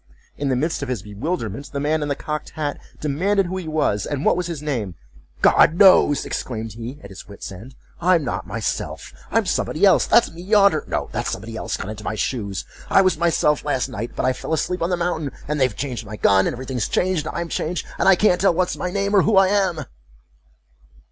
In the midst of his bewilderment, the man in the cocked hat demanded who he was, and what was his name?"God knows," exclaimed he, at his wit's end; "I'm not myself—I'm somebody else—that's me yonder—no—that's somebody else got into my shoes—I was myself last night, but I fell asleep on the mountain, and they've changed my gun, and every thing's changed, and I'm changed, and I can't tell what's my name, or who I am!"